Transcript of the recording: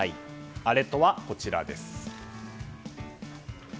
あれとは、こちらです。